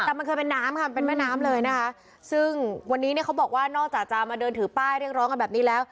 แต่มันเคยเป็นน้ำค่ะเป็นแม่น้ำเลยนะคะซึ่งวันนี้เนี่ยเขาบอกว่านอกจากจะมาเดินถือป้ายเรียกร้องกันแบบนี้แล้ว